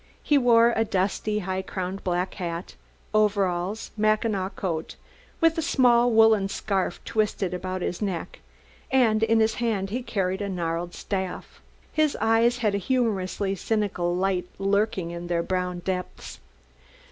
He wore a dusty, high crowned black hat, overalls, mackinaw coat, with a small woolen scarf twisted about his neck, and in his hand he carried a gnarled staff. His eyes had a humorously cynical light lurking in their brown depths.